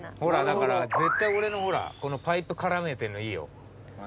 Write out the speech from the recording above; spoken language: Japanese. ほらだから絶対俺のほらこのパイプ絡めてるのいいよ。